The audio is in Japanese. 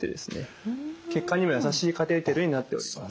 血管にも優しいカテーテルになっております。